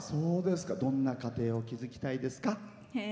どんな家庭を築きたいですか？